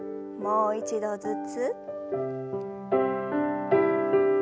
もう一度ずつ。